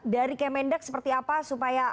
dari kemendak seperti apa supaya